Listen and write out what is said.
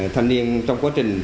thân niên trong quá trình